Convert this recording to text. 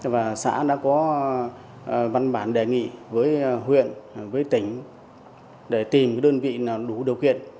và xã đã có văn bản đề nghị với huyện với tỉnh để tìm đơn vị nào đủ điều kiện